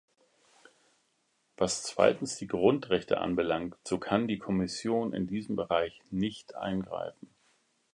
Was zweitens die Grundrechte anbelangt, so kann die Kommission in diesem Bereich nicht eingreifen.